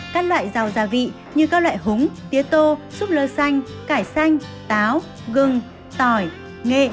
các loại rau gia vị như các loại húng tía tô súp lơ xanh cải xanh táo gừng tỏi nghệ